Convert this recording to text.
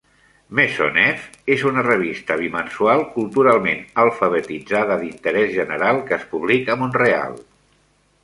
Maisonneuve és una revista bimensual culturalment alfabetitzada d'interès general que es publica a Mont-real.